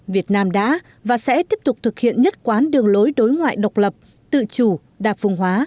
việt nam đã và sẽ tiếp tục thực hiện nhất quán đường lối đối ngoại độc lập tự chủ đa phung hóa